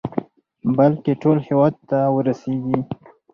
بلكې ټول هېواد ته ورسېږي.